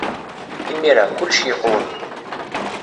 Imir-a, kullec yeqwem.